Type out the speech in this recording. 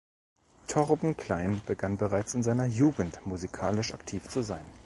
Torben Klein begann bereits in seiner Jugend musikalisch aktiv zu sein.